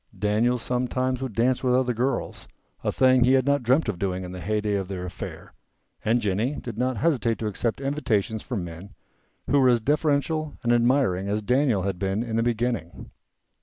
Daniel sometimes would dance with other girls, a thing he had not dreamt of doing in the heyday of their affair, and Jennie did not hesitate to accept invitations from men who were as deferential and admiring as Daniel had been in the beginning.